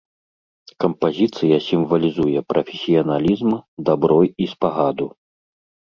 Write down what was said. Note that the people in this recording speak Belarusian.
Кампазіцыя сімвалізуе прафесіяналізм, дабро і спагаду.